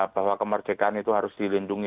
bahwa kemerdekaan itu harus dilindungi